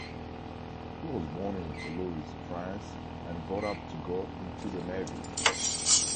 He was born in Toulouse, France and brought up to go into the navy.